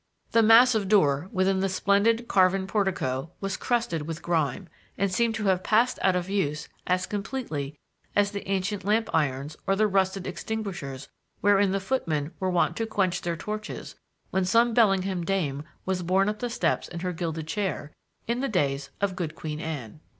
The massive door within the splendid carven portico was crusted with grime, and seemed to have passed out of use as completely as the ancient lamp irons or the rusted extinguishers wherein the footmen were wont to quench their torches when some Bellingham dame was borne up the steps in her gilded chair, in the days of good Queen Anne.